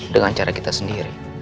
dengan cara kita sendiri